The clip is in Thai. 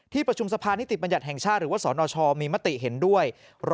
ประชุมสภานิติบัญญัติแห่งชาติหรือว่าสนชมีมติเห็นด้วย